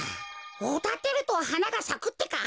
おだてるとはながさくってか？